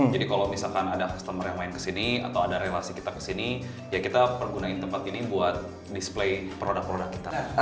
jadi kalau misalkan ada customer yang main ke sini atau ada relasi kita ke sini ya kita pergunain tempat ini buat display produk produk kita